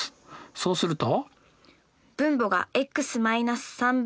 そうすると？